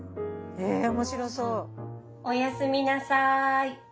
え面白そう！